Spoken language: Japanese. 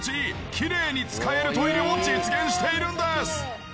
きれいに使えるトイレを実現しているんです！